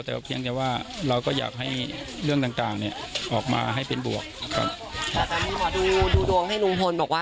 แต่เพียงแต่ว่าเราก็อยากให้เรื่องต่างต่างเนี่ยออกมาให้เป็นบวกครับดูดวงให้ลุงพลบอกว่า